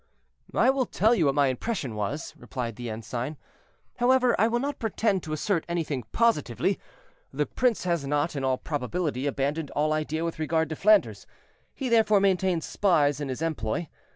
"I will tell you what my impression was," replied the ensign; "however, I will not pretend to assert anything positively; the prince has not, in all probability, abandoned all idea with regard to Flanders; he therefore maintains spies in his employ.